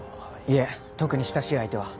いえ特に親しい相手は。